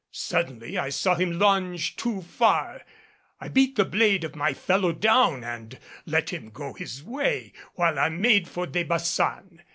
Suddenly I saw him lunge too far. I beat the blade of my fellow down and let him go his way, while I made for De Baçan.